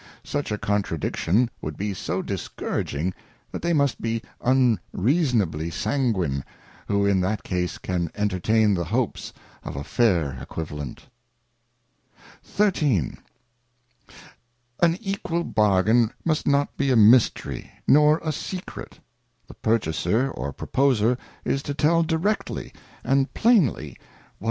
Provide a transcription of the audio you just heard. Such a contradiction would be so dis couraging, that they must be unreasonably sanguine, who in i that case can entertain the hopes of a /air Equivalent. XIII. An equal Bargain must not be a Mystery nor a Secret, The purchaser or proposer is to tell directly and plainly, what it 112 The Anatomy of an Equivalent.